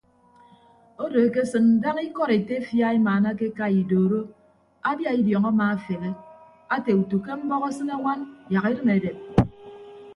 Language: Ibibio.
Odo akesịn daña ikọd etefia emaanake eka idoro abia idiọñ amaafeghe ate utu ke mbọk asịne añwan yak edịm edep.